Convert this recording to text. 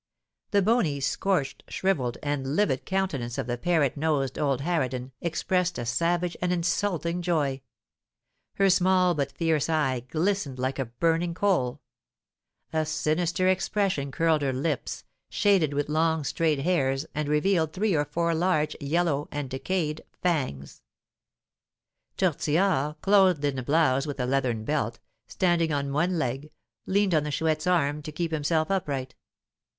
The bony, scorched, shrivelled, and livid countenance of the parrot nosed old harridan expressed a savage and insulting joy; her small but fierce eye glistened like a burning coal; a sinister expression curled her lips, shaded with long straight hairs, and revealed three or four large, yellow, and decayed fangs. Tortillard, clothed in a blouse with a leathern belt, standing on one leg, leaned on the Chouette's arm to keep himself upright.